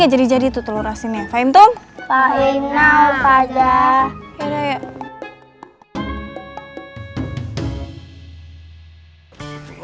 jadi jadi tuh telur asinnya fahim tung pak inna pada ya